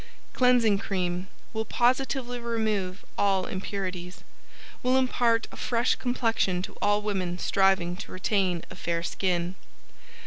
Cleansing Cream will positively remove all impurities. Will impart a fresh complexion to all women striving to retain a fair skin.